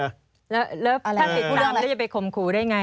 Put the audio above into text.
แล้วถ้าติดผู้นำแล้วจะไปข่มขู่ได้ไง